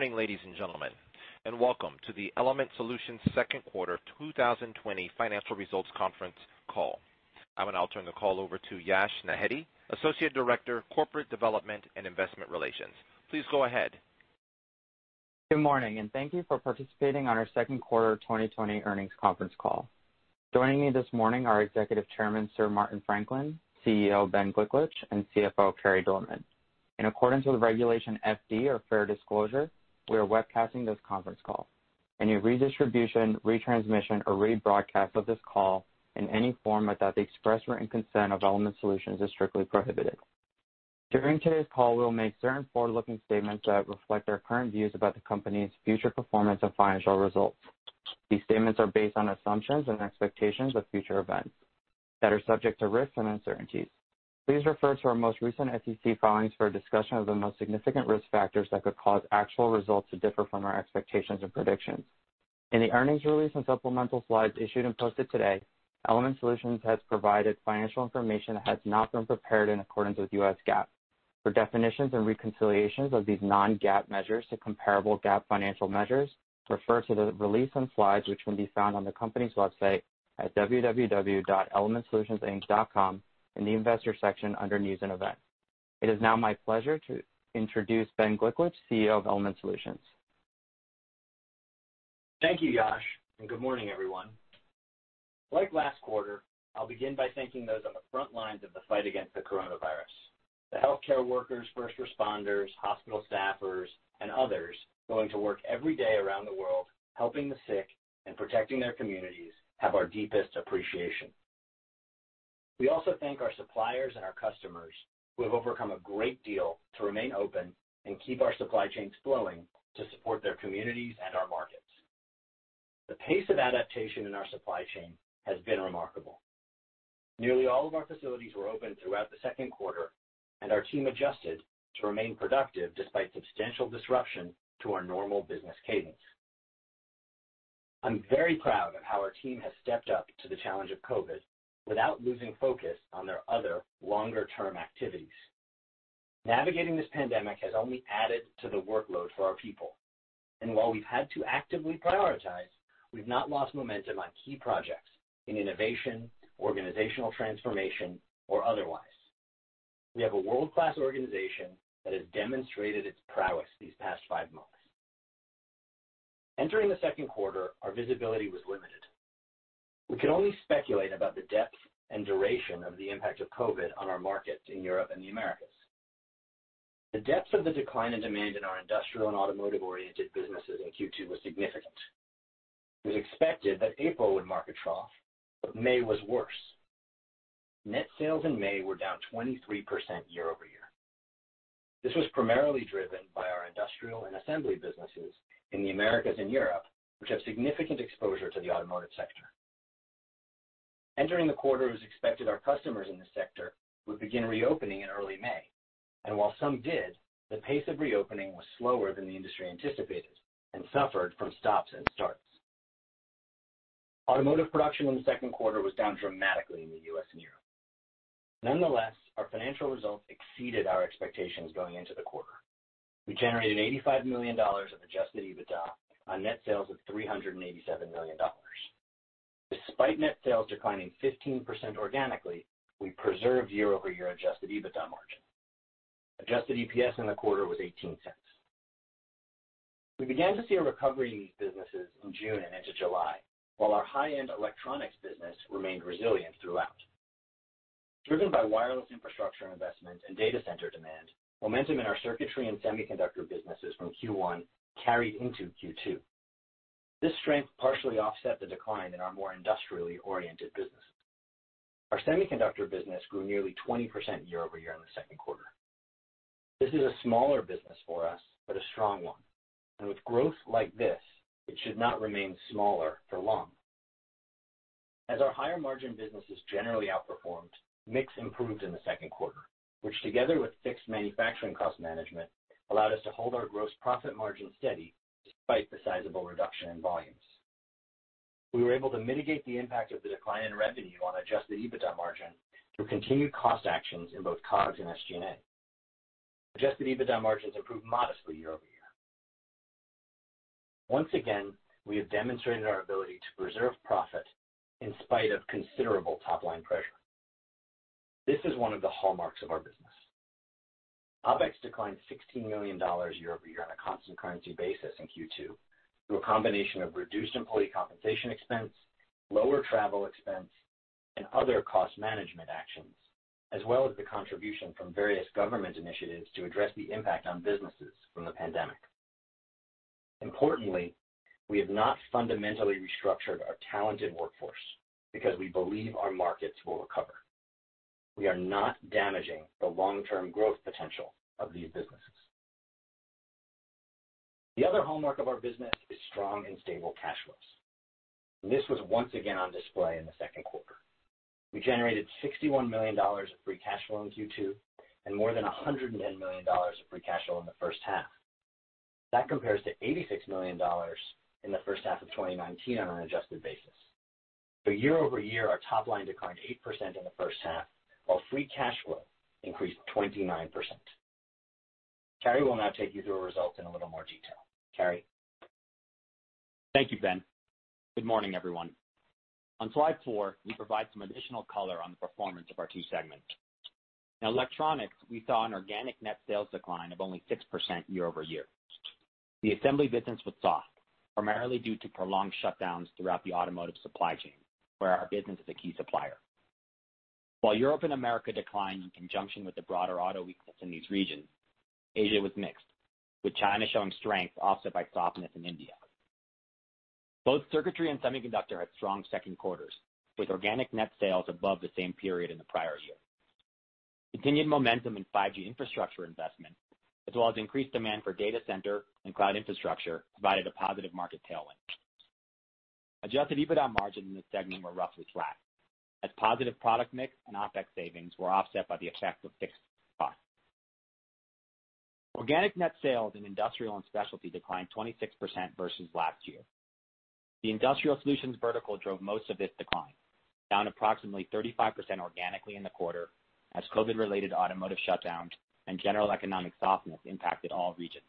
Good morning, ladies and gentlemen, and welcome to the Element Solutions Q2 2020 financial results conference call. I will now turn the call over to Varun Gokarn, Associate Director of Corporate Development and Investor Relations. Please go ahead. Good morning, thank you for participating on our Q2 2020 earnings conference call. Joining me this morning are Executive Chairman, Sir Martin Franklin, CEO Ben Gliklich, and CFO Carey Dorman. In accordance with Regulation FD, or fair disclosure, we are webcasting this conference call. Any redistribution, retransmission, or rebroadcast of this call in any format without the express written consent of Element Solutions is strictly prohibited. During today's call, we will make certain forward-looking statements that reflect our current views about the company's future performance and financial results. These statements are based on assumptions and expectations of future events that are subject to risks and uncertainties. Please refer to our most recent SEC filings for a discussion of the most significant risk factors that could cause actual results to differ from our expectations or predictions. In the earnings release and supplemental slides issued and posted today, Element Solutions has provided financial information that has not been prepared in accordance with US GAAP. For definitions and reconciliations of these non-GAAP measures to comparable GAAP financial measures, refer to the release and slides which can be found on the company's website at www.elementsolutionsinc.com in the Investor section under News and Events. It is now my pleasure to introduce Ben Gliklich, CEO of Element Solutions. Thank you, Yash. Good morning, everyone. Like last quarter, I'll begin by thanking those on the front lines of the fight against the coronavirus. The healthcare workers, first responders, hospital staffers, and others going to work every day around the world helping the sick and protecting their communities have our deepest appreciation. We also thank our suppliers and our customers who have overcome a great deal to remain open and keep our supply chains flowing to support their communities and our markets. The pace of adaptation in our supply chain has been remarkable. Nearly all of our facilities were open throughout the Q2. Our team adjusted to remain productive despite substantial disruption to our normal business cadence. I'm very proud of how our team has stepped up to the challenge of COVID without losing focus on their other longer-term activities. Navigating this pandemic has only added to the workload for our people, and while we've had to actively prioritize, we've not lost momentum on key projects in innovation, organizational transformation, or otherwise. We have a world-class organization that has demonstrated its prowess these past five months. Entering the Q2, our visibility was limited. We could only speculate about the depth and duration of the impact of COVID on our markets in Europe and the Americas. The depth of the decline in demand in our industrial and automotive-oriented businesses in Q2 was significant. It was expected that April would mark a trough, but May was worse. Net sales in May were down 23% year-over-year. This was primarily driven by our industrial and assembly businesses in the Americas and Europe, which have significant exposure to the automotive sector. Entering the quarter, it was expected our customers in this sector would begin reopening in early May. While some did, the pace of reopening was slower than the industry anticipated and suffered from stops and starts. Automotive production in the Q2 was down dramatically in the U.S. and Europe. Nonetheless, our financial results exceeded our expectations going into the quarter. We generated $85 million of adjusted EBITDA on net sales of $387 million. Despite net sales declining 15% organically, we preserved year-over-year adjusted EBITDA margin. Adjusted EPS in the quarter was $0.18. We began to see a recovery in these businesses in June and into July, while our high-end electronics business remained resilient throughout. Driven by wireless infrastructure investment and data center demand, momentum in our circuitry and semiconductor businesses from Q1 carried into Q2. This strength partially offset the decline in our more industrially oriented businesses. Our semiconductor business grew nearly 20% year-over-year in the Q2. This is a smaller business for us, but a strong one, and with growth like this, it should not remain smaller for long. As our higher margin businesses generally outperformed, mix improved in the Q2, which together with fixed manufacturing cost management, allowed us to hold our gross profit margin steady despite the sizable reduction in volumes. We were able to mitigate the impact of the decline in revenue on adjusted EBITDA margin through continued cost actions in both COGS and SG&A. Adjusted EBITDA margins improved modestly year-over-year. Once again, we have demonstrated our ability to preserve profit in spite of considerable top-line pressure. This is one of the hallmarks of our business. OpEx declined $16 million year-over-year on a constant currency basis in Q2 through a combination of reduced employee compensation expense, lower travel expense, and other cost management actions, as well as the contribution from various government initiatives to address the impact on businesses from the pandemic. Importantly, we have not fundamentally restructured our talented workforce because we believe our markets will recover. We are not damaging the long-term growth potential of these businesses. The other hallmark of our business is strong and stable cash flows, and this was once again on display in the Q2. We generated $61 million of free cash flow in Q2, and more than $110 million of free cash flow in the H1. That compares to $86 million in the H1 of 2019 on an adjusted basis. Year-over-year, our top line declined 8% in the first half, while free cash flow increased 29%. Carey will now take you through our results in a little more detail. Carey? Thank you, Ben. Good morning, everyone. On slide four, we provide some additional color on the performance of our two segments. In electronics, we saw an organic net sales decline of only 6% year-over-year. The assembly business was soft, primarily due to prolonged shutdowns throughout the automotive supply chain, where our business is a key supplier. While Europe and America declined in conjunction with the broader auto weakness in these regions, Asia was mixed, with China showing strength offset by softness in India. Both circuitry and semiconductor had strong Q2, with organic net sales above the same period in the prior year. Continued momentum in 5G infrastructure investment, as well as increased demand for data center and cloud infrastructure, provided a positive market tailwind. Adjusted EBITDA margin in this segment were roughly flat, as positive product mix and OpEx savings were offset by the effect of fixed costs. Organic net sales in Industrial & Specialty declined 26% versus last year. The industrial solutions vertical drove most of this decline, down approximately 35% organically in the quarter, as COVID-related automotive shutdowns and general economic softness impacted all regions.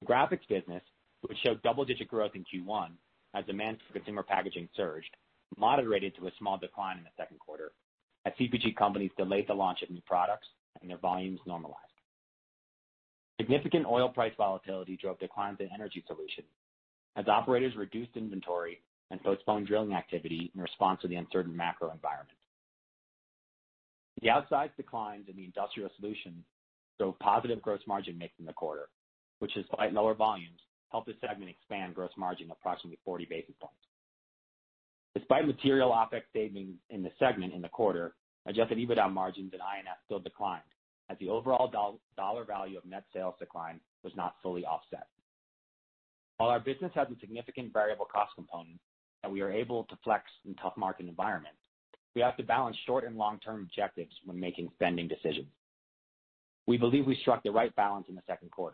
The Graphics Solutions, which showed double-digit growth in Q1 as demand for consumer packaging surged, moderated to a small decline in the Q2 as CPG companies delayed the launch of new products and their volumes normalized. Significant oil price volatility drove declines in energy solutions as operators reduced inventory and postponed drilling activity in response to the uncertain macro environment. The outsized declines in the Industrial & Specialty drove positive gross margin mix in the quarter, which despite lower volumes, helped this segment expand gross margin approximately 40 basis points. Despite material OpEx savings in the segment in the quarter, adjusted EBITDA margins in Industrial & Specialty still declined as the overall dollar value of net sales decline was not fully offset. While our business has a significant variable cost component that we are able to flex in tough market environments, we have to balance short and long-term objectives when making spending decisions. We believe we struck the right balance in the Q2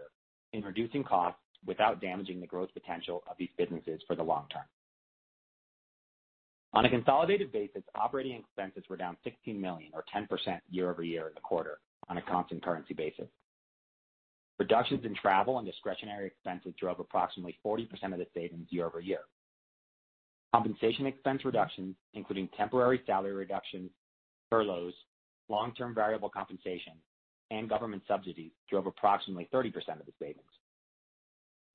in reducing costs without damaging the growth potential of these businesses for the long term. On a consolidated basis, operating expenses were down $16 million or 10% year-over-year in the quarter on a constant currency basis. Reductions in travel and discretionary expenses drove approximately 40% of the savings year-over-year. Compensation expense reductions, including temporary salary reductions, furloughs, long-term variable compensation, and government subsidies drove approximately 30% of the savings.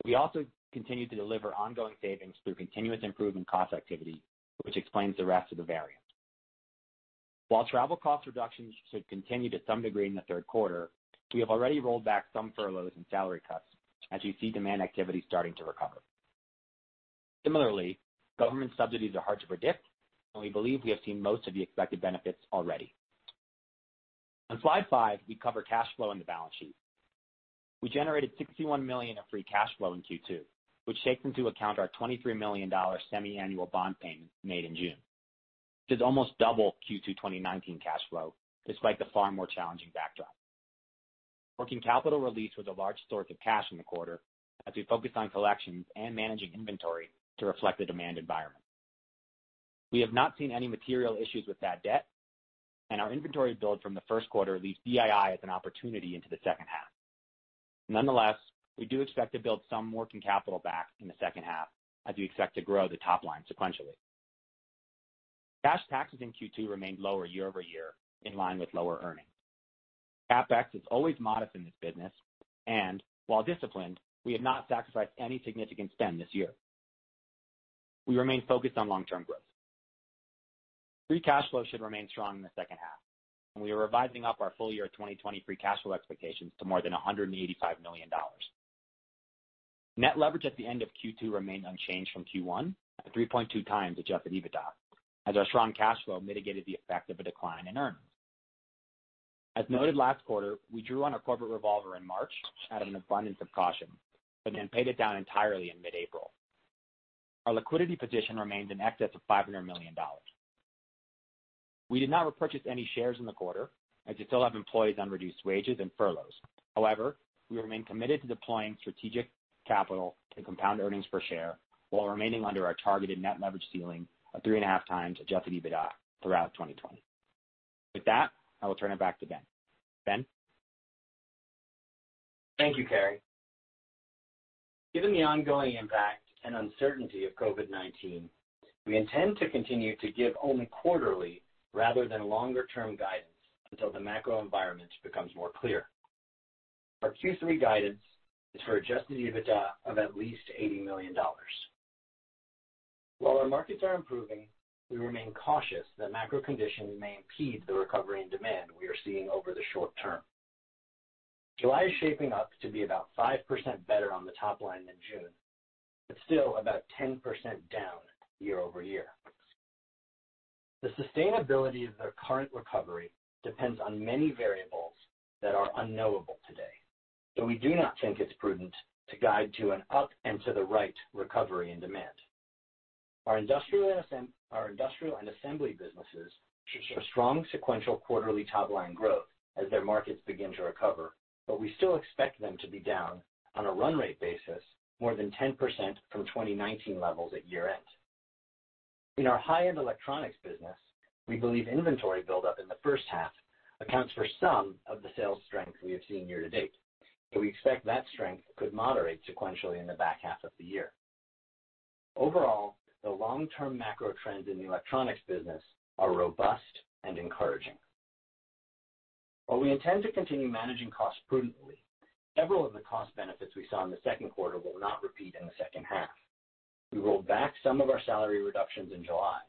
We also continued to deliver ongoing savings through continuous improvement cost activity, which explains the rest of the variance. While travel cost reductions should continue to some degree in the Q3, we have already rolled back some furloughs and salary cuts as we see demand activity starting to recover. Similarly, government subsidies are hard to predict, and we believe we have seen most of the expected benefits already. On slide five, we cover cash flow and the balance sheet. We generated $61 million of free cash flow in Q2, which takes into account our $23 million semi-annual bond payment made in June. This is almost double Q2 2019 cash flow, despite the far more challenging backdrop. Working capital release was a large source of cash in the quarter as we focused on collections and managing inventory to reflect the demand environment. We have not seen any material issues with bad debt, and our inventory build from the Q1 leaves DII as an opportunity into the second half. Nonetheless, we do expect to build some working capital back in the second half as we expect to grow the top line sequentially. Cash taxes in Q2 remained lower year-over-year, in line with lower earnings. CapEx is always modest in this business, and while disciplined, we have not sacrificed any significant spend this year. We remain focused on long-term growth. Free cash flow should remain strong in the second half, and we are revising up our full year 2020 free cash flow expectations to more than $185 million. Net leverage at the end of Q2 remained unchanged from Q1 at 3.2x adjusted EBITDA, as our strong cash flow mitigated the effect of a decline in earnings. As noted last quarter, we drew on our corporate revolver in March out of an abundance of caution, but then paid it down entirely in mid-April. Our liquidity position remains in excess of $500 million. We did not repurchase any shares in the quarter as we still have employees on reduced wages and furloughs. We remain committed to deploying strategic capital to compound earnings per share while remaining under our targeted net leverage ceiling of 3.5x adjusted EBITDA throughout 2020. With that, I will turn it back to Ben. Ben? Thank you, Carey. Given the ongoing impact and uncertainty of COVID-19, we intend to continue to give only quarterly rather than longer-term guidance until the macro environment becomes more clear. Our Q3 guidance is for adjusted EBITDA of at least $80 million. While our markets are improving, we remain cautious that macro conditions may impede the recovery and demand we are seeing over the short term. July is shaping up to be about 5% better on the top line than June, but still about 10% down year-over-year. We do not think it's prudent to guide to an up and to the right recovery and demand. Our industrial and assembly businesses should show strong sequential quarterly top line growth as their markets begin to recover, but we still expect them to be down on a run rate basis more than 10% from 2019 levels at year end. In our high-end electronics business, we believe inventory buildup in the first half accounts for some of the sales strength we have seen year to date. We expect that strength could moderate sequentially in the back half of the year. Overall, the long-term macro trends in the electronics business are robust and encouraging. While we intend to continue managing costs prudently, several of the cost benefits we saw in the Q2 will not repeat in the H2. We rolled back some of our salary reductions in July,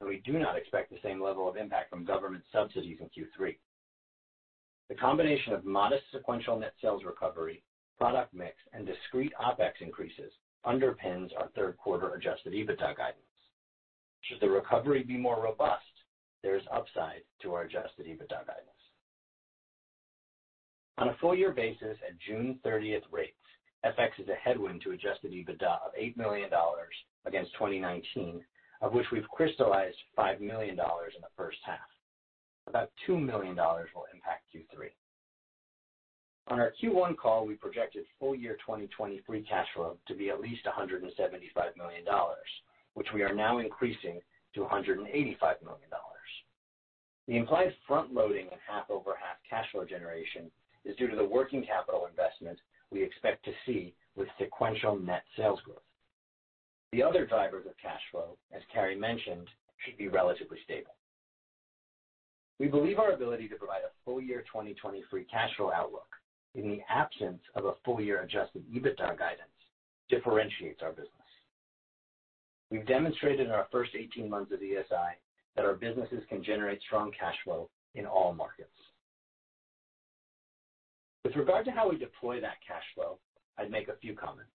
and we do not expect the same level of impact from government subsidies in Q3. The combination of modest sequential net sales recovery, product mix, and discrete OpEx increases underpins our Q3 adjusted EBITDA guidance. Should the recovery be more robust, there is upside to our adjusted EBITDA guidance. On a full year basis at June 30th rates, FX is a headwind to adjusted EBITDA of $8 million against 2019, of which we've crystallized $5 million in the first half. About $2 million will impact Q3. On our Q1 call, we projected full year 2023 cash flow to be at least $175 million, which we are now increasing to $185 million. The implied front-loading in half-over-half cash flow generation is due to the working capital investment we expect to see with sequential net sales growth. The other drivers of cash flow, as Carey mentioned, should be relatively stable. We believe our ability to provide a full year 2023 cash flow outlook in the absence of a full year adjusted EBITDA guidance differentiates our business. We've demonstrated in our first 18 months of ESI that our businesses can generate strong cash flow in all markets. With regard to how we deploy that cash flow, I'd make a few comments.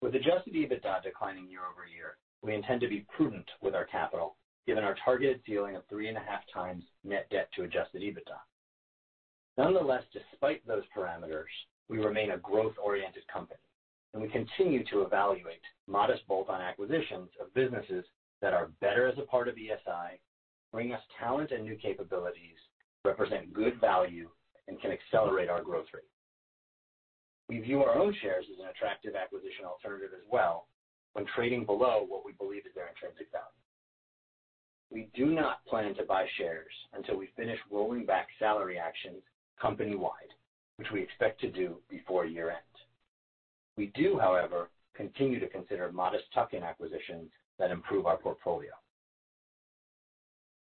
With adjusted EBITDA declining year-over-year, we intend to be prudent with our capital, given our targeted ceiling of 3.5x net debt to adjusted EBITDA. Nonetheless, despite those parameters, we remain a growth-oriented company, and we continue to evaluate modest bolt-on acquisitions of businesses that are better as a part of ESI, bring us talent and new capabilities, represent good value, and can accelerate our growth rate. We view our own shares as an attractive acquisition alternative as well when trading below what we believe is their intrinsic value. We do not plan to buy shares until we finish rolling back salary actions company-wide, which we expect to do before year-end. We do, however, continue to consider modest tuck-in acquisitions that improve our portfolio.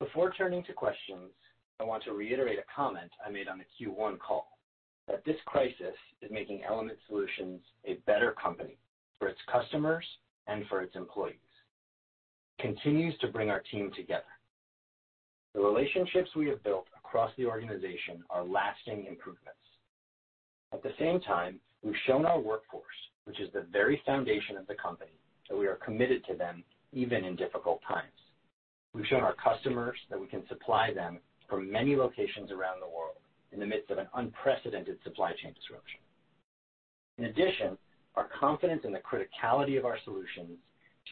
Before turning to questions, I want to reiterate a comment I made on the Q1 call, that this crisis is making Element Solutions a better company for its customers and for its employees. It continues to bring our team together. The relationships we have built across the organization are lasting improvements. At the same time, we've shown our workforce, which is the very foundation of the company, that we are committed to them even in difficult times. We've shown our customers that we can supply them from many locations around the world in the midst of an unprecedented supply chain disruption. In addition, our confidence in the criticality of our solutions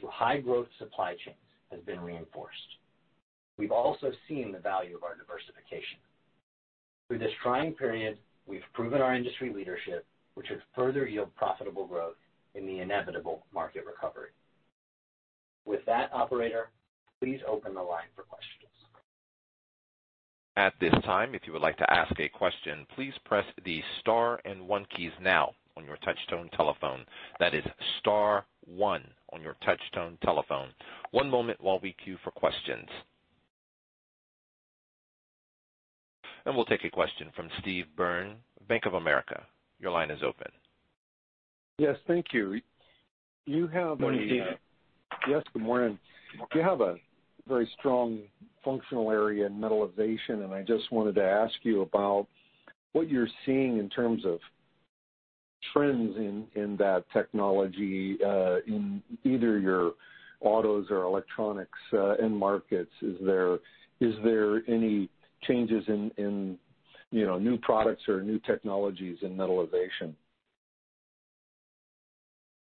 to high-growth supply chains has been reinforced. We've also seen the value of our diversification. Through this trying period, we've proven our industry leadership, which would further yield profitable growth in the inevitable market recovery. With that, Operator, please open the line for questions. At this time, if you would like to ask a question, please press the star and one keys now on your touchtone telephone. That is star one on your touchtone telephone. One moment while we queue for questions. We'll take a question from Steve Byrne, Bank of America. Your line is open. Yes. Thank you. Morning, Steve. Yes, good morning. You have a very strong functional area in metallization, and I just wanted to ask you about what you're seeing in terms of trends in that technology, in either your autos or electronics end markets. Is there any changes in new products or new technologies in metallization?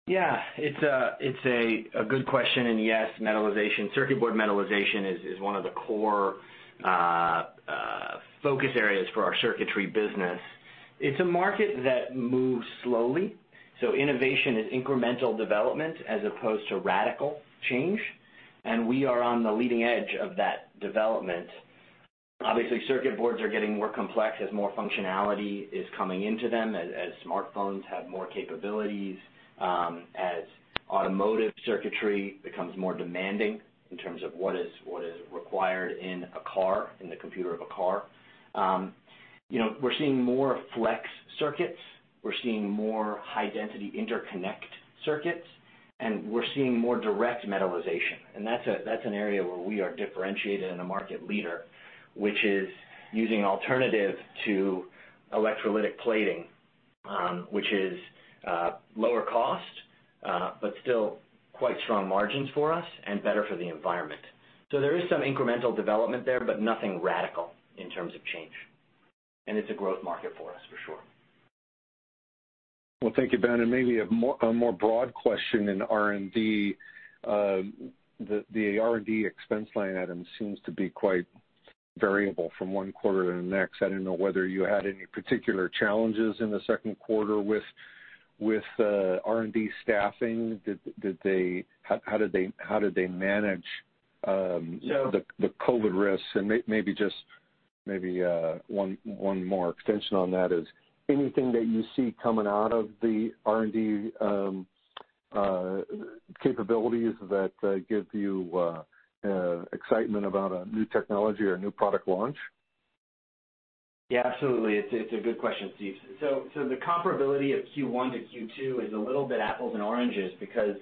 It's a good question. Yes, circuit board metallization is one of the core focus areas for our circuitry business. It's a market that moves slowly. Innovation is incremental development as opposed to radical change, and we are on the leading edge of that development. Obviously, circuit boards are getting more complex as more functionality is coming into them, as smartphones have more capabilities, As automotive circuitry becomes more demanding in terms of what is required in a car, in the computer of a car. We're seeing more flex circuits. We're seeing more high-density interconnect circuits, and we're seeing more direct metallization. That's an area where we are differentiated and a market leader, which is using alternative to electrolytic plating, which is lower cost, but still quite strong margins for us and better for the environment. There is some incremental development there, but nothing radical in terms of change. It's a growth market for us, for sure. Well, thank you, Ben. Maybe a more broad question in R&D. The R&D expense line item seems to be quite variable from one quarter to the next. I didn't know whether you had any particular challenges in the Q2 with R&D staffing. So, The COVID risks? Maybe just one more extension on that is, anything that you see coming out of the R&D capabilities that give you excitement about a new technology or a new product launch? Yeah, absolutely. It's a good question, Steve. The comparability of Q1 to Q2 is a little bit apples and oranges because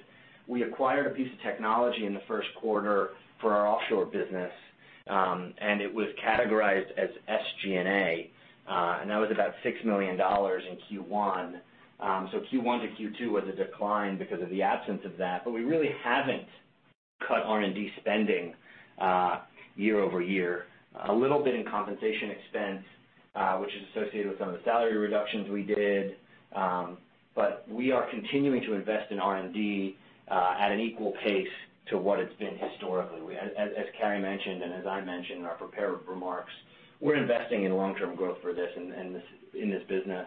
we acquired a piece of technology in the Q1 for our offshore business, and it was categorized as SG&A, and that was about $6 million in Q1. Q1 to Q2 was a decline because of the absence of that, but we really haven't cut R&D spending year-over-year. A little bit in compensation expense, which is associated with some of the salary reductions we did. We are continuing to invest in R&D, at an equal pace to what it's been historically. As Carey mentioned, and as I mentioned in our prepared remarks, we're investing in long-term growth for this in this business.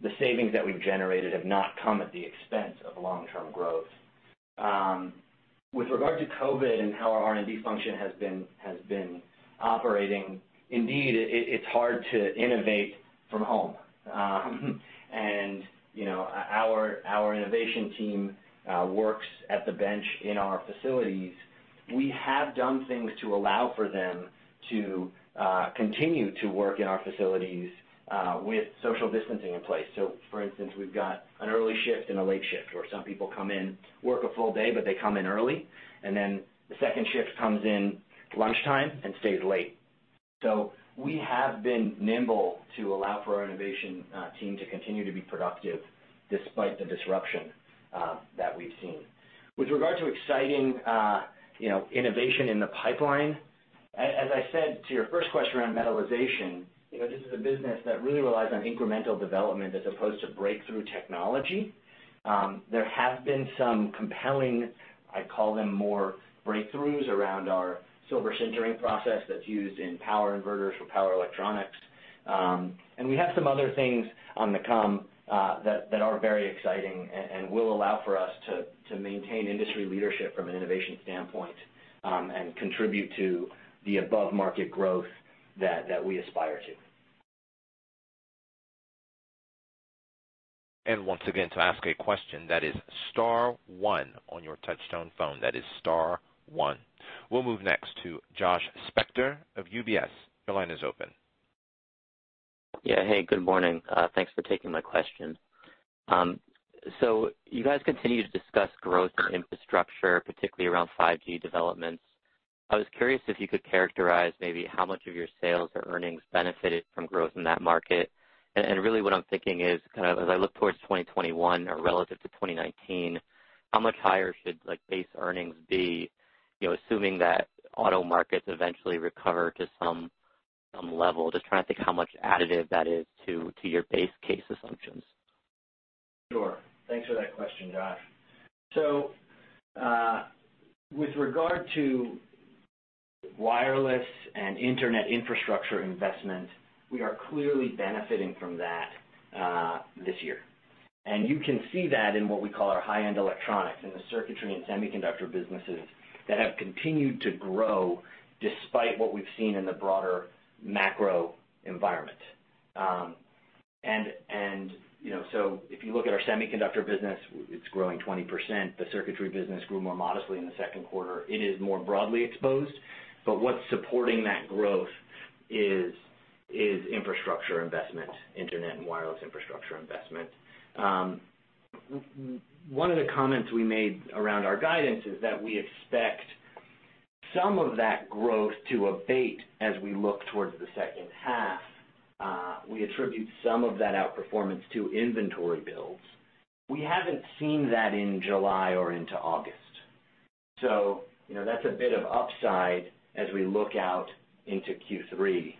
The savings that we've generated have not come at the expense of long-term growth. With regard to COVID and how our R&D function has been operating, indeed, it's hard to innovate from home. Our innovation team works at the bench in our facilities. We have done things to allow for them to continue to work in our facilities with social distancing in place. For instance, we've got an early shift and a late shift, where some people come in, work a full day, but they come in early, and then the second shift comes in lunchtime and stays late. We have been nimble to allow for our innovation team to continue to be productive despite the disruption that we've seen. With regard to exciting innovation in the pipeline, as I said to your first question around metallization, this is a business that really relies on incremental development as opposed to breakthrough technology. There have been some compelling, I call them more breakthroughs, around our silver sintering process that's used in power inverters for power electronics. We have some other things on the come that are very exciting and will allow for us to maintain industry leadership from an innovation standpoint, and contribute to the above-market growth that we aspire to. Once again, to ask a question, that is star one on your touchtone phone. That is star one. We'll move next to Josh Spector of UBS. Your line is open. Yeah. Hey, good morning. Thanks for taking my question. You guys continue to discuss growth in infrastructure, particularly around 5G developments. I was curious if you could characterize maybe how much of your sales or earnings benefited from growth in that market. Really what I'm thinking is, kind of as I look towards 2021 or relative to 2019, how much higher should base earnings be, assuming that auto markets eventually recover to some level? Just trying to think how much additive that is to your base case assumptions. Sure. Thanks for that question, Josh. With regard to wireless and internet infrastructure investment, we are clearly benefiting from that this year. You can see that in what we call our high-end electronics, in the circuitry and semiconductor businesses that have continued to grow despite what we've seen in the broader macro environment. If you look at our semiconductor business, it's growing 20%. The circuitry business grew more modestly in the Q2. It is more broadly exposed, what's supporting that growth is infrastructure investment, internet and wireless infrastructure investment. One of the comments we made around our guidance is that we expect some of that growth to abate as we look towards the second half. We attribute some of that outperformance to inventory builds. We haven't seen that in July or into August, so that's a bit of upside as we look out into Q3.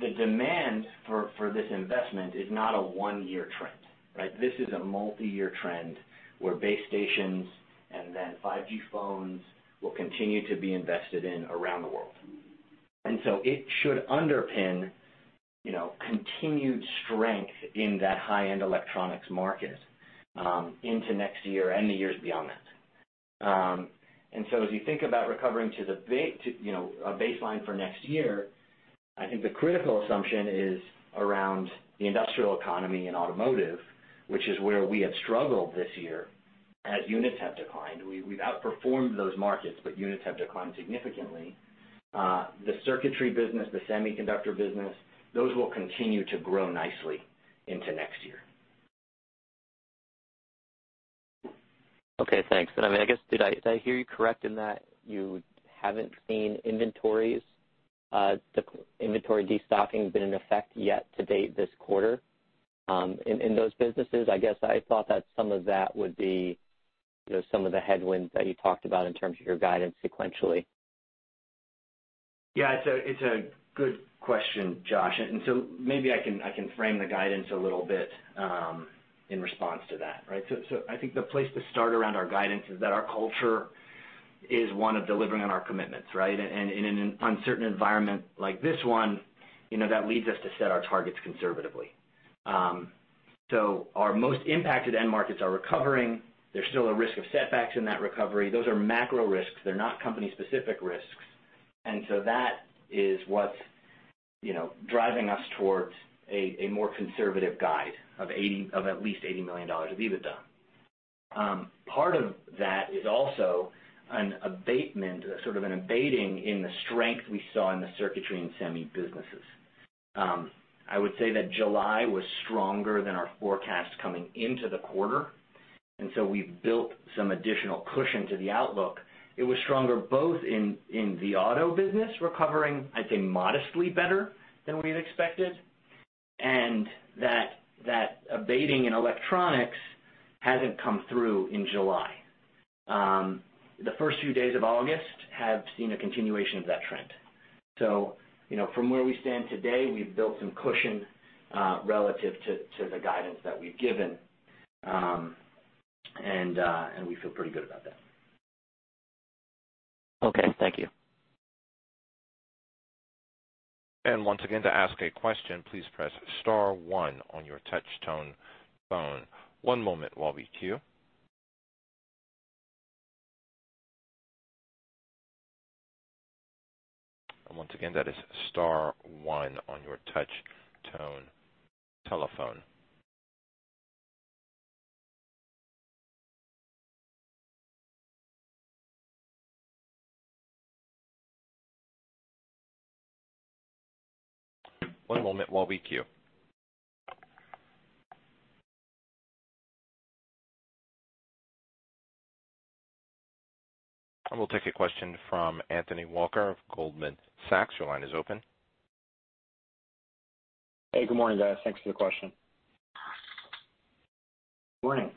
The demand for this investment is not a one-year trend, right? This is a multi-year trend where base stations and then 5G phones will continue to be invested in around the world. It should underpin continued strength in that high-end electronics market into next year and the years beyond that. As you think about recovering to a baseline for next year, I think the critical assumption is around the industrial economy and automotive, which is where we have struggled this year as units have declined. We've outperformed those markets, but units have declined significantly. The circuitry business, the semiconductor business, those will continue to grow nicely into next year. Okay, thanks. I guess, did I hear you correct in that you haven't seen inventories, the inventory de-stocking been in effect yet to date this quarter in those businesses? I guess I thought that some of that would be some of the headwinds that you talked about in terms of your guidance sequentially. Yeah, it's a good question, Josh. Maybe I can frame the guidance a little bit in response to that, right? I think the place to start around our guidance is that our culture is one of delivering on our commitments, right? In an uncertain environment like this one, that leads us to set our targets conservatively. Our most impacted end markets are recovering. There's still a risk of setbacks in that recovery. Those are macro risks. They're not company-specific risks. That is what's driving us towards a more conservative guide of at least $80 million of EBITDA. Part of that is also an abatement, sort of an abating in the strength we saw in the circuitry and semi businesses. I would say that July was stronger than our forecast coming into the quarter, we've built some additional cushion to the outlook. It was stronger both in the auto business, recovering, I'd say, modestly better than we'd expected, and that that abating in electronics hasn't come through in July. The first few days of August have seen a continuation of that trend. From where we stand today, we've built some cushion relative to the guidance that we've given. We feel pretty good about that. Okay. Thank you. Once again, to ask a question, please press star one on your touch tone phone. One moment while we queue. Once again, that is star one on your touch tone telephone. One moment while we queue. I will take a question from Anthony Walker of Goldman Sachs. Your line is open. Hey, good morning, guys. Thanks for the question. Morning.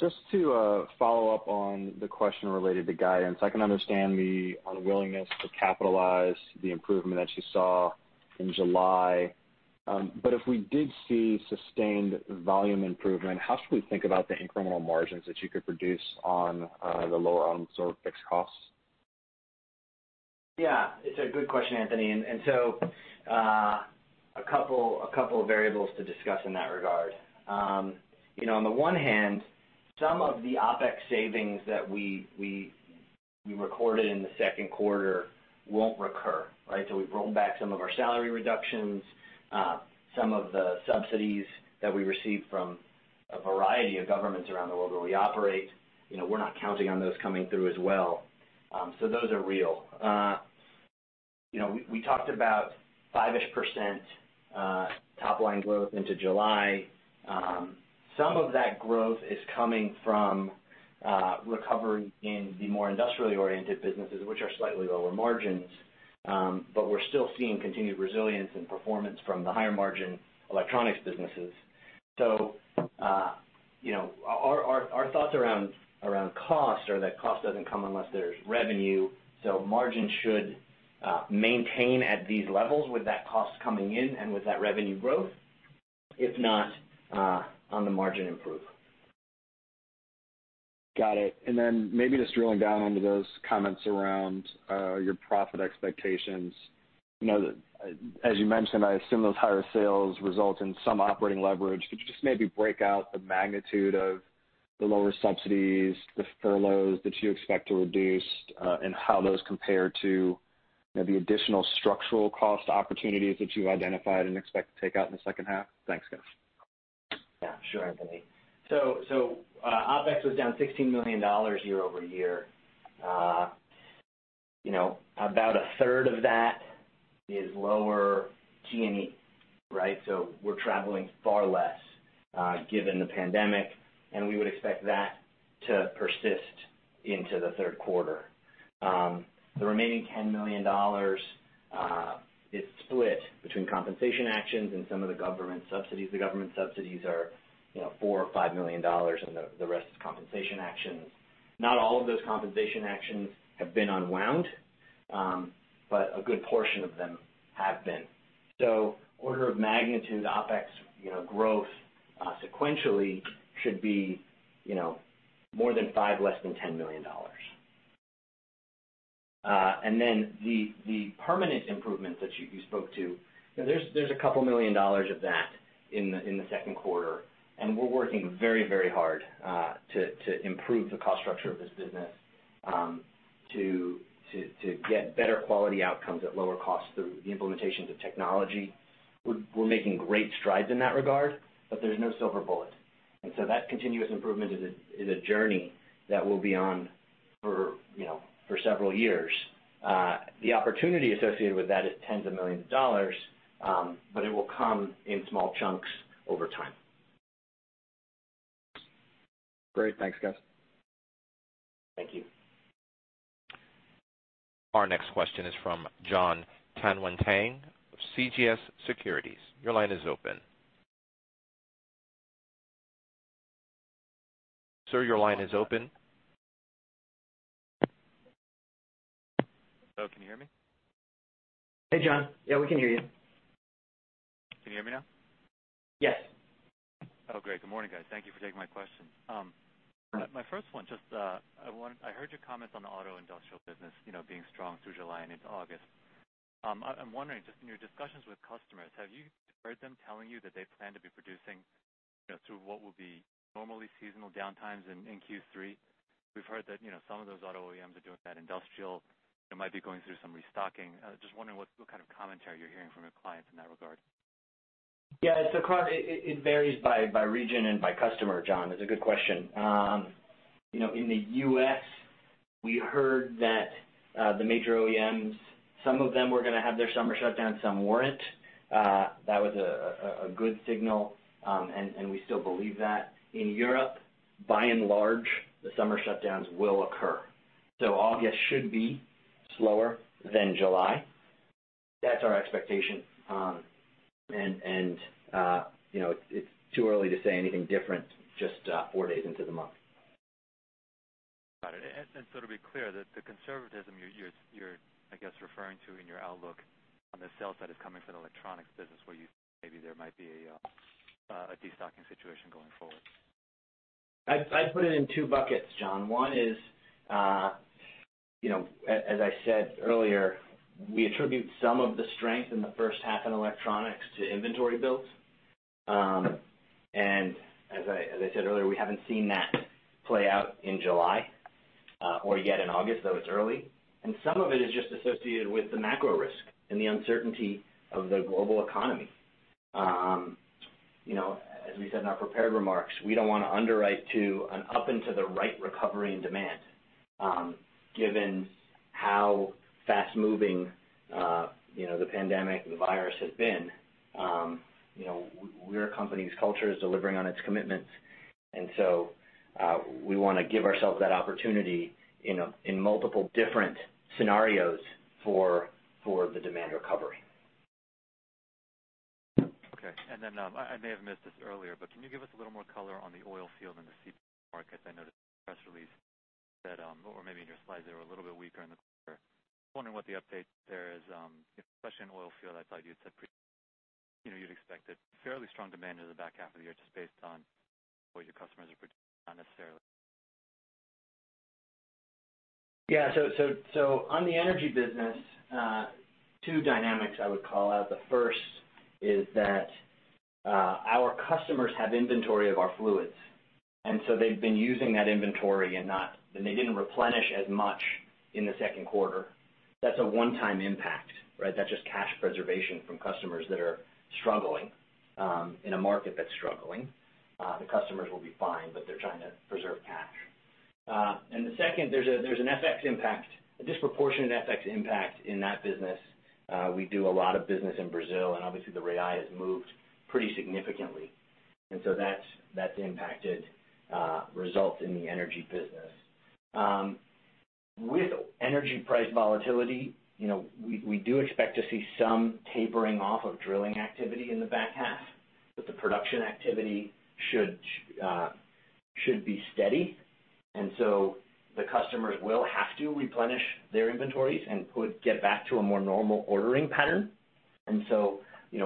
Just to follow up on the question related to guidance, I can understand the unwillingness to capitalize the improvement that you saw in July. If we did see sustained volume improvement, how should we think about the incremental margins that you could produce on the lower absorbed fixed costs? Yeah, it's a good question, Anthony. A couple of variables to discuss in that regard. On the one hand, some of the OpEx savings that we recorded in the Q2 won't recur, right? We've rolled back some of our salary reductions, some of the subsidies that we received from a variety of governments around the world where we operate. We're not counting on those coming through as well. Those are real. We talked about 5-ish% top-line growth into July. Some of that growth is coming from recovery in the more industrially oriented businesses, which are slightly lower margins, but we're still seeing continued resilience and performance from the higher margin electronics businesses. Our thoughts around cost are that cost doesn't come unless there's revenue. Margins should maintain at these levels with that cost coming in and with that revenue growth, if not on the margin improve. Got it. Then maybe just drilling down into those comments around your profit expectations. As you mentioned, I assume those higher sales result in some operating leverage. Could you just maybe break out the magnitude of the lower subsidies, the furloughs that you expect to reduce, and how those compare to the additional structural cost opportunities that you identified and expect to take out in the second half? Thanks, guys. Yeah, sure, Anthony. OpEx was down $16 million year-over-year. About a third of that is lower T&E, right? We're traveling far less given the pandemic, and we would expect that to persist into the Q3. The remaining $10 million is split between compensation actions and some of the government subsidies. The government subsidies are four or $5 million, and the rest is compensation actions. Not all of those compensation actions have been unwound, a good portion of them have been. Order of magnitude, OpEx growth sequentially should be more than five, less than $10 million. The permanent improvements that you spoke to, there's a couple million dollars of that in the Q2, and we're working very hard to improve the cost structure of this business to get better quality outcomes at lower costs through the implementations of technology. We're making great strides in that regard, but there's no silver bullet. That continuous improvement is a journey that we'll be on for several years. The opportunity associated with that is $ tens of millions, but it will come in small chunks over time. Great. Thanks, guys. Thank you. Our next question is from Jon Tanwanteng of CJS Securities. Your line is open. Sir, your line is open. Hello, can you hear me? Hey, Jon. Yeah, we can hear you. Can you hear me now? Yes. Oh, great. Good morning, guys. Thank you for taking my question. My first one, I heard your comments on the auto industrial business being strong through July and into August. I'm wondering, just in your discussions with customers, have you heard them telling you that they plan to be producing through what would be normally seasonal downtimes in Q3? We've heard that some of those auto OEMs are doing that. Industrial might be going through some restocking. Just wondering what kind of commentary you're hearing from your clients in that regard. Yeah. It varies by region and by customer, Jon. It's a good question. In the U.S., we heard that the major OEMs, some of them were going to have their summer shutdown, some weren't. That was a good signal, and we still believe that. In Europe, by and large, the summer shutdowns will occur. August should be slower than July. That's our expectation. It's too early to say anything different just four days into the month. Got it. To be clear, the conservatism you're, I guess, referring to in your outlook on the sales side is coming from the electronics business, where you think maybe there might be a de-stocking situation going forward. I'd put it in two buckets, Jon. One is, as I said earlier, we attribute some of the strength in the first half in electronics to inventory builds. As I said earlier, we haven't seen that play out in July or yet in August, though it's early. Some of it is just associated with the macro risk and the uncertainty of the global economy. As we said in our prepared remarks, we don't want to underwrite to an up into the right recovery and demand, given how fast-moving the pandemic, the virus has been. Our company's culture is delivering on its commitments, we want to give ourselves that opportunity in multiple different scenarios for the demand recovery. Okay. I may have missed this earlier, but can you give us a little more color on the offshore business and the CPG markets? I noticed the press release said, or maybe in your slides there, we're a little bit weaker in the quarter. Wondering what the update there is? In offshore business, I thought you'd said you'd expect a fairly strong demand in the back half of the year just based on what your customers are producing. Yeah. On the Energy Solutions, two dynamics I would call out. The first is that our customers have inventory of our fluids, and so they've been using that inventory, and they didn't replenish as much in the Q2. That's a one-time impact, right? That's just cash preservation from customers that are struggling in a market that's struggling. The customers will be fine, but they're trying to preserve cash. The second, there's a disproportionate FX impact in that business. We do a lot of business in Brazil, and obviously the real has moved pretty significantly. That's impacted results in the Energy Solutions. With energy price volatility, we do expect to see some tapering off of drilling activity in the back half, but the production activity should be steady, and so the customers will have to replenish their inventories and get back to a more normal ordering pattern.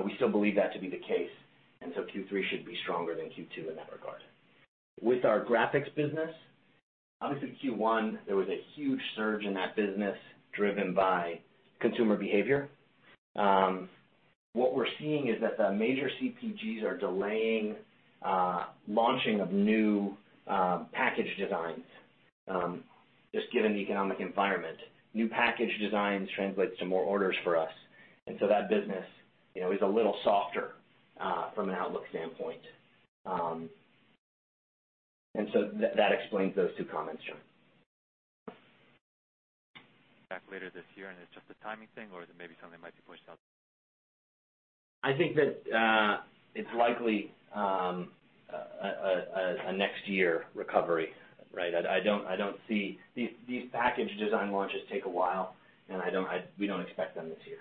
We still believe that to be the case, and so Q3 should be stronger than Q2 in that regard. With our Graphics Solutions, obviously in Q1, there was a huge surge in that business driven by consumer behavior. What we're seeing is that the major CPGs are delaying launching of new package designs just given the economic environment. New package designs translates to more orders for us, and so that business is a little softer from an outlook standpoint. That explains those two comments, Jon. Back later this year, and it's just a timing thing, or is it maybe something might be pushed out? I think that it's likely a next year recovery, right? These package design launches take a while, and we don't expect them this year.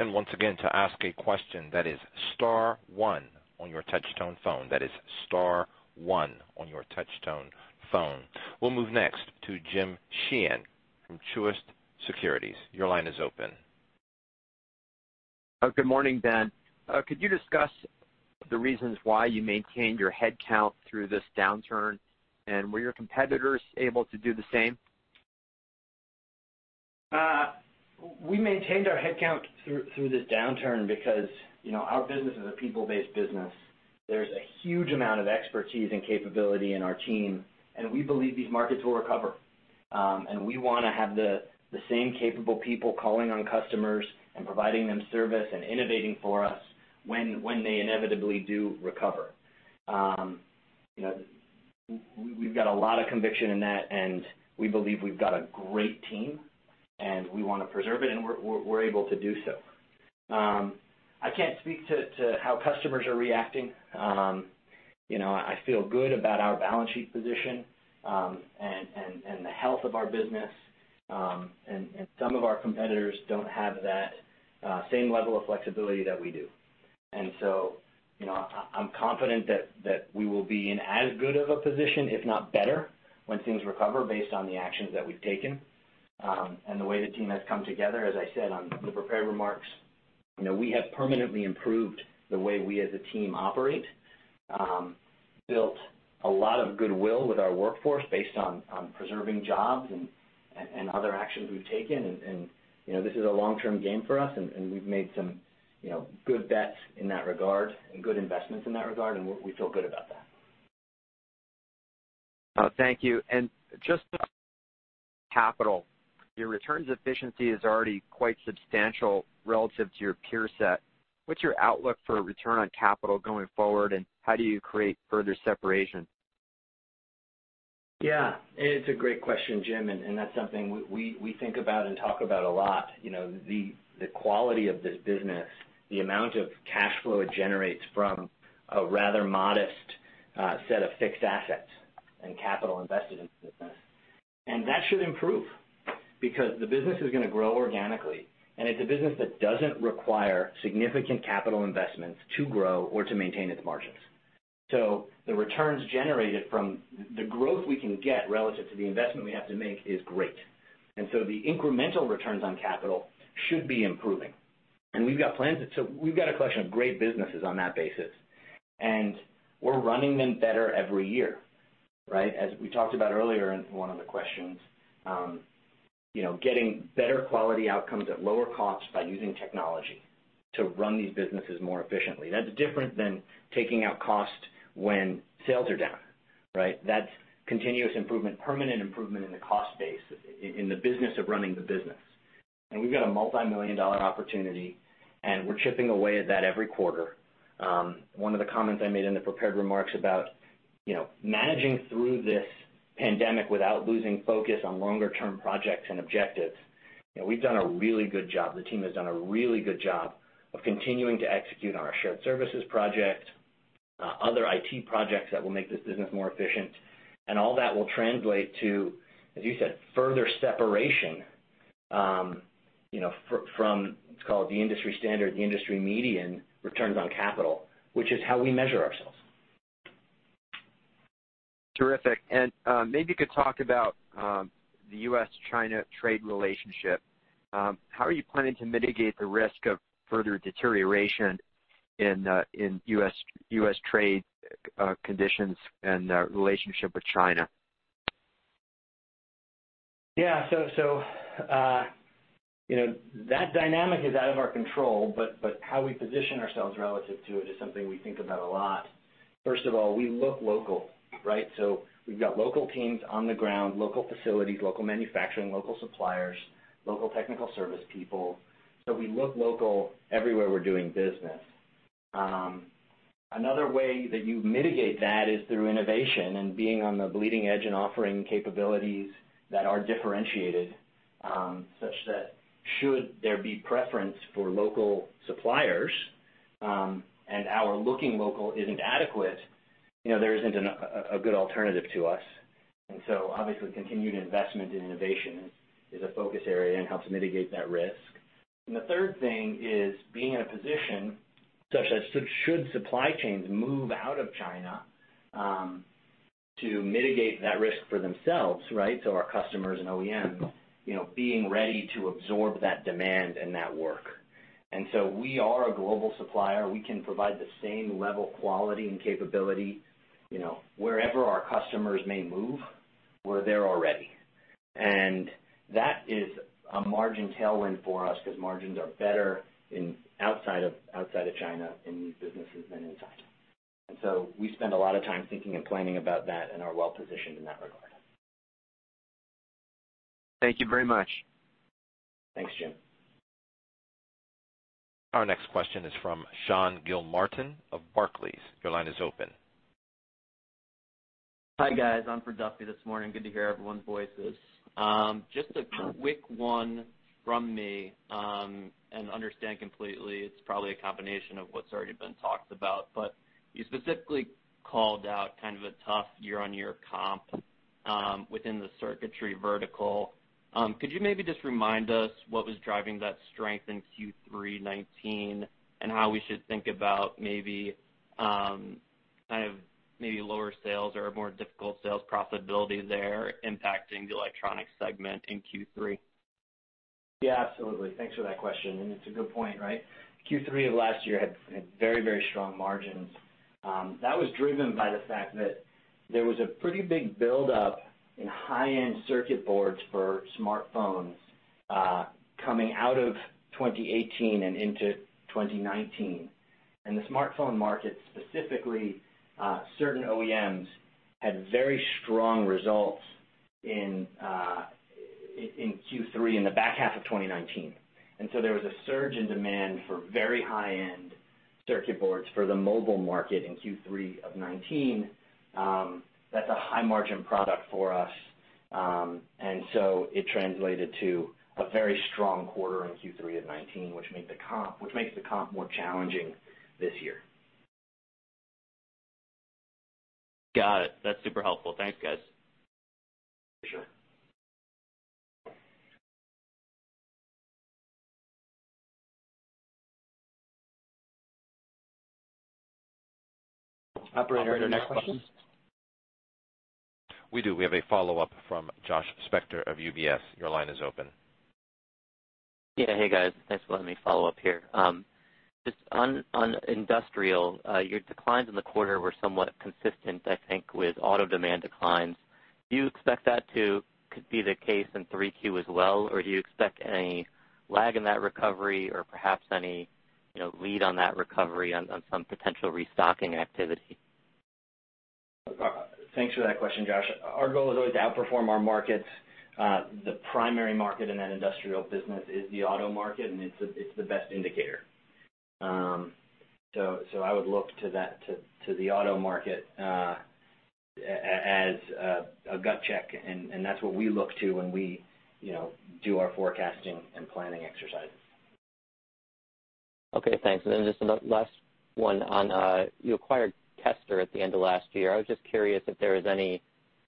Okay. Once again, to ask a question, that is star one on your touchtone phone. That is star one on your touchtone phone. We'll move next to Jim Sheehan from Truist Securities. Your line is open. Good morning, Ben. Could you discuss the reasons why you maintained your headcount through this downturn, and were your competitors able to do the same? We maintained our headcount through this downturn because our business is a people-based business. There's a huge amount of expertise and capability in our team, and we believe these markets will recover. We want to have the same capable people calling on customers and providing them service and innovating for us when they inevitably do recover. We've got a lot of conviction in that, and we believe we've got a great team, and we want to preserve it, and we're able to do so. I can't speak to how customers are reacting. I feel good about our balance sheet position and the health of our business. Some of our competitors don't have that same level of flexibility that we do. I'm confident that we will be in as good of a position, if not better, when things recover based on the actions that we've taken. The way the team has come together, as I said on the prepared remarks, we have permanently improved the way we as a team operate, built a lot of goodwill with our workforce based on preserving jobs and other actions we've taken. This is a long-term game for us, and we've made some good bets in that regard, and good investments in that regard, and we feel good about that. Thank you. Just on capital, your returns efficiency is already quite substantial relative to your peer set. What's your outlook for return on capital going forward, and how do you create further separation? Yeah. It's a great question, Jim, and that's something we think about and talk about a lot. The quality of this business, the amount of cash flow it generates from a rather modest set of fixed assets and capital invested in the business. That should improve because the business is going to grow organically. It's a business that doesn't require significant capital investments to grow or to maintain its margins. The returns generated from the growth we can get relative to the investment we have to make is great. The incremental returns on capital should be improving. We've got plans. We've got a collection of great businesses on that basis, and we're running them better every year, right? As we talked about earlier in one of the questions, getting better quality outcomes at lower costs by using technology to run these businesses more efficiently. That's different than taking out cost when sales are down, right? That's continuous improvement, permanent improvement in the cost base in the business of running the business. We've got a multimillion-dollar opportunity, and we're chipping away at that every quarter. One of the comments I made in the prepared remarks about managing through this pandemic without losing focus on longer term projects and objectives. We've done a really good job. The team has done a really good job of continuing to execute on our shared services project, other IT projects that will make this business more efficient. All that will translate to, as you said, further separation from, let's call it the industry standard, the industry median returns on capital, which is how we measure ourselves. Terrific. Maybe you could talk about the U.S.-China trade relationship. How are you planning to mitigate the risk of further deterioration in U.S. trade conditions and the relationship with China? Yeah. That dynamic is out of our control, but how we position ourselves relative to it is something we think about a lot. First of all, we look local, right? We've got local teams on the ground, local facilities, local manufacturing, local suppliers, local technical service people. Another way that you mitigate that is through innovation and being on the bleeding edge and offering capabilities that are differentiated, such that should there be preference for local suppliers, and our looking local isn't adequate, there isn't a good alternative to us. Obviously, continued investment in innovation is a focus area and helps mitigate that risk. The third thing is being in a position such that should supply chains move out of China to mitigate that risk for themselves, right? Our customers and OEMs, being ready to absorb that demand and that work. We are a global supplier. We can provide the same level of quality and capability wherever our customers may move, we're there already. That is a margin tailwind for us because margins are better outside of China in these businesses than in China. We spend a lot of time thinking and planning about that and are well positioned in that regard. Thank you very much. Thanks, Jim. Our next question is from Sean Gilmartin of Barclays. Your line is open. Hi, guys. I'm for Duffy this morning. Good to hear everyone's voices. Just a quick one from me, and understand completely it's probably a combination of what's already been talked about, but you specifically called out kind of a tough year-over-year comp within the circuitry vertical. Could you maybe just remind us what was driving that strength in Q3 2019 and how we should think about maybe lower sales or more difficult sales profitability there impacting the electronic segment in Q3? Yeah, absolutely. Thanks for that question, and it's a good point, right? Q3 of last year had very strong margins. That was driven by the fact that there was a pretty big buildup in high-end circuit boards for smartphones coming out of 2018 and into 2019. The smartphone market, specifically certain OEMs, had very strong results in Q3 in the back half of 2019. There was a surge in demand for very high-end circuit boards for the mobile market in Q3 of 2019. That's a high margin product for us. It translated to a very strong quarter in Q3 of 2019, which makes the comp more challenging this year. Got it. That's super helpful. Thanks, guys. Sure. Operator, next question? We do. We have a follow-up from Josh Spector of UBS. Your line is open. Yeah. Hey, guys. Thanks for letting me follow up here. Just on Industrial, your declines in the quarter were somewhat consistent, I think, with auto demand declines. Do you expect that to be the case in 3Q as well? Or do you expect any lag in that recovery or perhaps any lead on that recovery on some potential restocking activity? Thanks for that question, Josh. Our goal is always to outperform our markets. The primary market in that industrial business is the auto market, and it's the best indicator. I would look to the auto market as a gut check, and that's what we look to when we do our forecasting and planning exercises. Okay, thanks. Just last one. You acquired Kester at the end of last year. I was just curious if there was any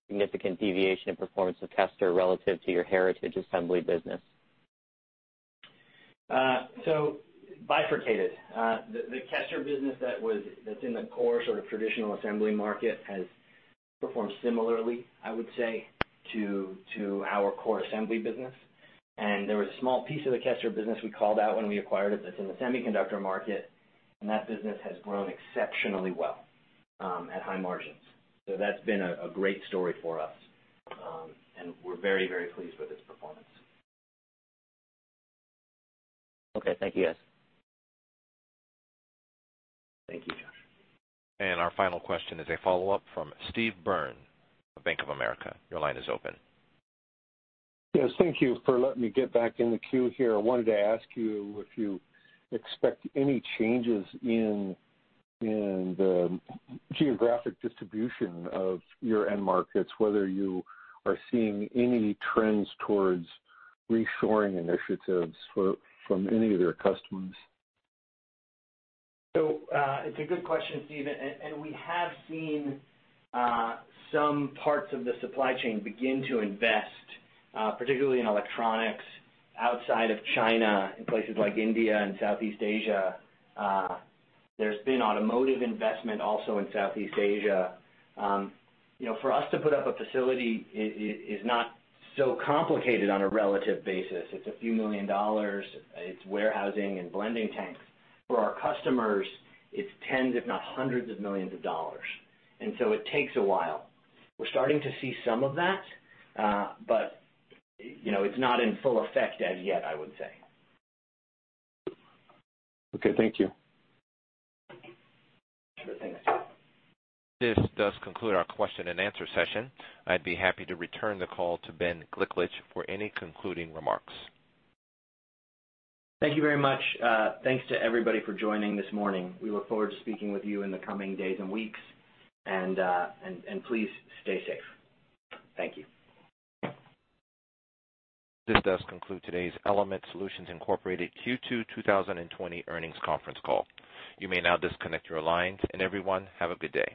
significant deviation in performance of Kester relative to your heritage assembly business. Bifurcated. The Kester business that's in the core sort of traditional assembly market has performed similarly, I would say, to our core assembly business. There was a small piece of the Kester business we called out when we acquired it that's in the semiconductor market, and that business has grown exceptionally well at high margins. That's been a great story for us. We're very, very pleased with its performance. Okay. Thank you, guys. Thank you, Josh. Our final question is a follow-up from Steve Byrne of Bank of America. Your line is open. Yes, thank you for letting me get back in the queue here. I wanted to ask you if you expect any changes in the geographic distribution of your end markets, whether you are seeing any trends towards reshoring initiatives from any of your customers. It's a good question, Steve, and we have seen some parts of the supply chain begin to invest, particularly in electronics outside of China in places like India and Southeast Asia. There's been automotive investment also in Southeast Asia. For us to put up a facility is not so complicated on a relative basis. It's a few million dollars. It's warehousing and blending tanks. For our customers, it's tens, if not hundreds, of millions of dollars. It takes a while. We're starting to see some of that, but it's not in full effect as yet, I would say. Okay. Thank you. Sure thing. This does conclude our question and answer session. I would be happy to return the call to Ben Gliklich for any concluding remarks. Thank you very much. Thanks to everybody for joining this morning. We look forward to speaking with you in the coming days and weeks, and please stay safe. Thank you. This does conclude today's Element Solutions Inc Q2 2020 earnings conference call. You may now disconnect your lines, and everyone, have a good day.